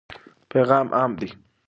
پیغام عام دی.